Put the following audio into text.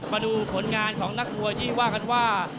มาดูผลงานของนักมวยที่ว่ากันว่า